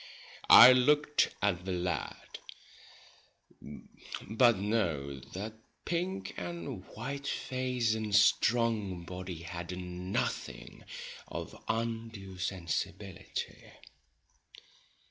I looked at the lad ; but no, that pink and white face and strong body had nothing of undue sensibility.